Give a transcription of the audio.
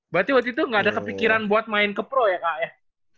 berarti waktu itu gak ada kepikiran buat main ke pro ya kak ya